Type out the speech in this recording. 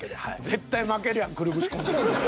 絶対負けるやんくるぶしコンセント。